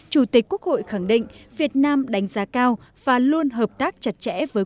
chủ tịch quốc hội khẳng định việt nam đánh giá cao và luôn hợp tác chặt chẽ với quốc hội philippines